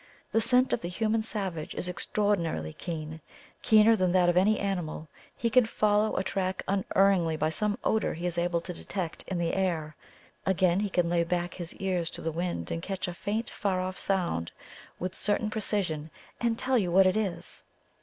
The scent of the human savage is extraordinarily keen keener than that of any animal he can follow a track unerringly by some odour he is able to detect in the air. Again, he can lay back his ears to the wind and catch a faint, far off sound with, certainty and precision, and tell you what it is.